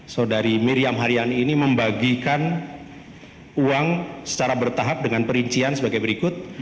saudari miriam haryani ini membagikan uang secara bertahap dengan perincian sebagai berikut